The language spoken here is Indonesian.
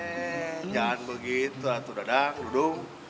eh jangan begitu atuh dadang dudung